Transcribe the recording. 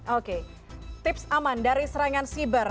oke tips aman dari serangan siber